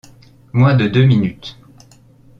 Moins de deux minutes !